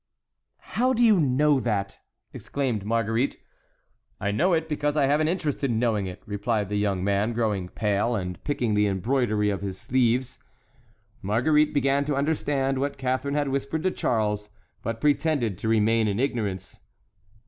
"How do you know that?" exclaimed Marguerite. "I know it because I have an interest in knowing it," replied the young prince, growing pale and picking the embroidery of his sleeves. Marguerite began to understand what Catharine had whispered to Charles, but pretended to remain in ignorance.